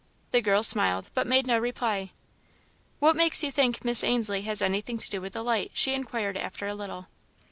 The girl smiled, but made no reply. "What makes you think Miss Ainslie has anything to do with the light?" she inquired after a little.